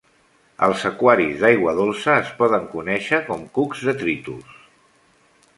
Als aquaris d"aigua dolça es poden conèixer com cucs detritus.